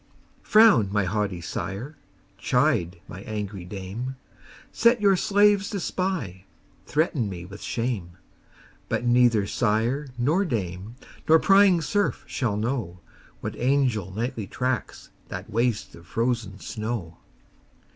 Frown, my haughty sire! chide, my angry dame! Set your slaves to spy; threaten me with shame: But neither sire nor dame, nor prying serf shall know, What angel nightly tracks that waste of frozen snow.